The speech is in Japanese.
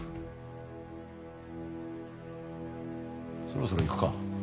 そろそろ行くか。